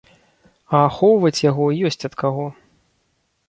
А ахоўваць яго ёсць ад каго.